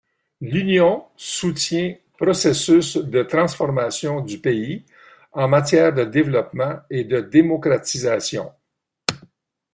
L'Union soutient processus de transformation du pays en matière de développement et de démocratisation.